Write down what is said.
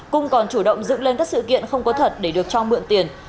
cung còn chủ động dựng lên các sự kiện không có thật để được cho mượn tiền